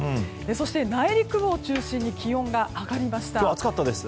そして、内陸を中心に気温が上がりました。